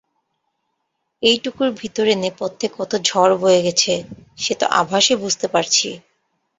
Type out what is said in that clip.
এইটুকুর ভিতরে নেপথ্যে কত ঝড় বয়ে গেছে সে তো আভাসে বুঝতে পারছি।